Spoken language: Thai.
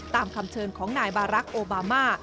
ตามคำเชิญของนายบารักษ์โอบามา